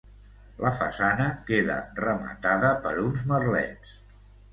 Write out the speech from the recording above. La façana queda rematada per uns merlets.